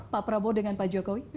pak prabowo dengan pak jokowi